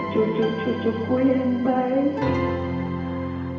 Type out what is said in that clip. cucu cucuku yang baik